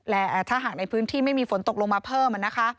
และถ้าหากในพื้นที่ไม่มีฝนตกลงมาเพิ่มนะคะ